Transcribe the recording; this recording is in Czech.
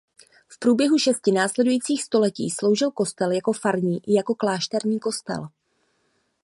V průběhu šesti následujících století sloužil kostel jako farní i jako klášterní kostel.